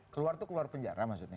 keluar itu keluar penjara maksudnya